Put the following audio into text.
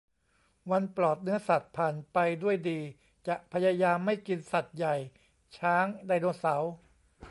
วันปลอดเนื้อสัตว์ผ่านไปด้วยดี จะพยายามไม่กินสัตว์ใหญ่ช้าง ไดโนเสาร์